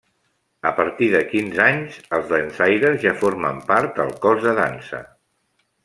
A partir de quinze anys, els dansaires ja formen part del cos de dansa.